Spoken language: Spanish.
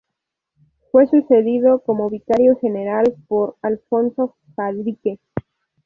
Fue sucedido como vicario general por Alfonso Fadrique.